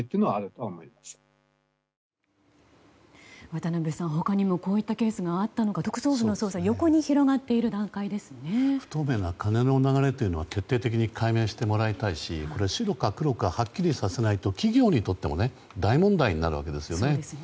渡辺さん、他にもこういったケースがあったのか、特捜部の捜査は不透明な金の流れは徹底的に解明してもらいたいし白か黒かはっきりさせないと企業にとっても大問題になりますよね。